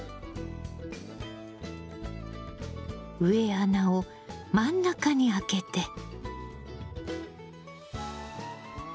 植え穴を真ん中に開けて。